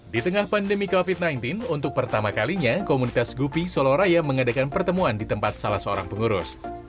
di tengah pandemi covid sembilan belas untuk pertama kalinya komunitas gupi soloraya mengadakan pertemuan di tempat salah seorang pengurus